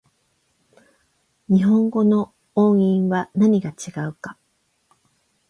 日本語の音韻は何が違うか